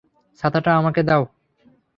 ছাতাটা আমাকে দাও।